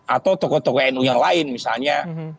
atau tokoh tokoh nu yang lain misalnya